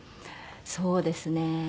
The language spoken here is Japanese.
そうですね。